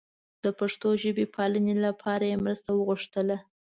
د پښتو ژبې پالنې لپاره یې مرسته وغوښتله.